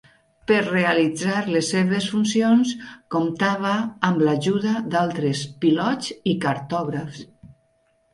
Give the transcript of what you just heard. Per realitzar les seves funcions comptava amb ajuda d'altres pilots i cartògrafs.